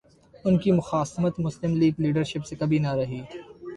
ان کی مخاصمت مسلم لیگ لیڈرشپ سے کبھی نہ رہی۔